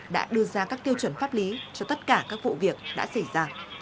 đã đưa ra các tiêu chuẩn pháp lý cho tất cả các vụ việc đã xảy ra